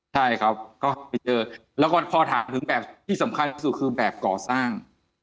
ใช่ครับก็ไปเจอแล้วก็พอถามถึงแบบที่สำคัญที่สุดคือแบบก่อสร้าง